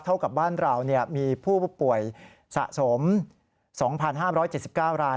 เท่ากับบ้านเรามีผู้ป่วยสะสม๒๕๗๙ราย